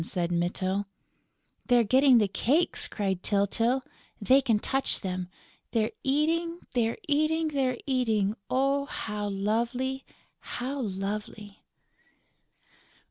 said Mytyl. "They're getting the cakes!" cried Tyltyl. "They can touch them!... They're eating, they're eating, they're eating!... Oh, how lovely, how lovely!..."